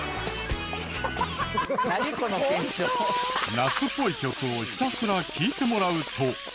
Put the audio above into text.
夏っぽい曲をひたすら聴いてもらうと。